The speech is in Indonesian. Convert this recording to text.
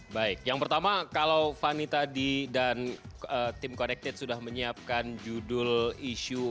baik yang pertama kalau fani tadi dan tim connected sudah menyiapkan judul isu